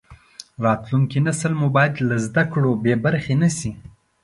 راتلونکی نسل مو باید له زده کړو بې برخې نشي.